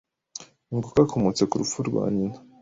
ngo kakomotse ku rupfu rwa nyina